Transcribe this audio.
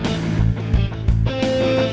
saya akan menemukan mereka